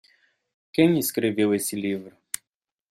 Quem escreveu esse livro?